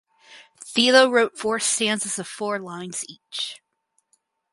Thilo wrote four stanzas of four lines each.